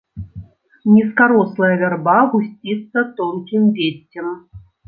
Нізкарослая вярба гусціцца тонкім веццем.